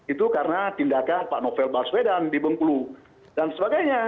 itu karena tindakan pak novel baswedan di bengkulu dan sebagainya